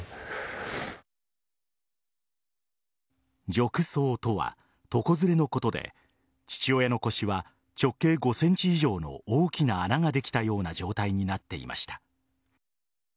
褥瘡とは床ずれのことで父親の腰は直径５ｃｍ以上の大きな穴ができたような状態になっていました。